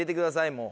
もう。